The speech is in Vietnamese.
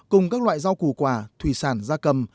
cùng các loại rau củ quả thủy sản gia cầm